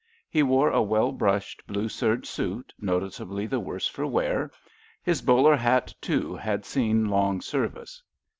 He wore a well brushed blue serge suit, noticeably the worse for wear. His bowler hat, too, had seen long service.